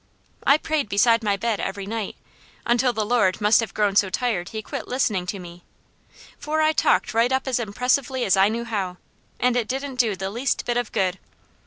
I prayed beside my bed every night, until the Lord must have grown so tired He quit listening to me, for I talked right up as impressively as I knew how, and it didn't do the least bit of good.